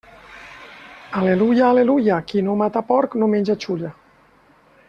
Al·leluia, al·leluia, qui no mata porc no menja xulla.